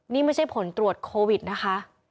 นี่ไม่ใช่ผลตรวจโควิดนะคะ